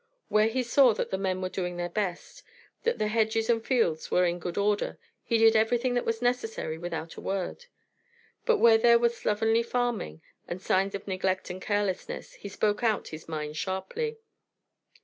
Where he saw that the men were doing their best, that the hedges and fields were in good order, he did everything that was necessary without a word; but where there were slovenly farming and signs of neglect and carelessness, he spoke out his mind sharply.